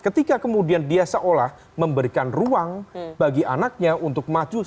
ketika kemudian dia seolah memberikan ruang bagi anaknya untuk maju